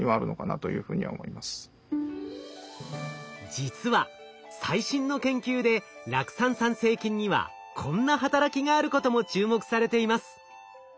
実は最新の研究で酪酸産生菌にはこんな働きがあることも注目されています。